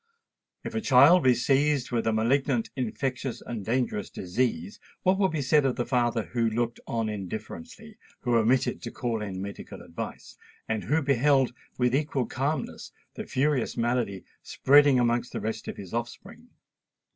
If a child be seized with a malignant, infectious, and dangerous disease, what would be said of the father who looked on indifferently—who omitted to call in medical advice—and who beheld, with equal calmness, the furious malady spreading amongst the rest of his offspring!